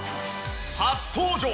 初登場！